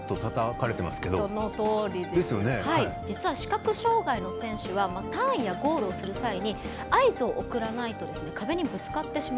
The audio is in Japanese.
実は視覚障がいの選手はターンやゴールをする際に合図を送らないと壁にぶつかってしまうんです。